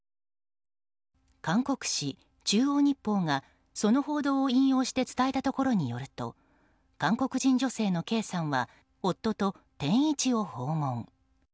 韓国紙中央日報がその報道を引用して伝えたところによると韓国人女性のＫさんは夫と天一を訪問。